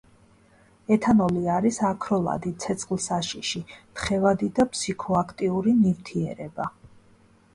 ეთანოლი არის აქროლადი, ცეცხლსაშიში, თხევადი და ფსიქოაქტიური ნივთიერება.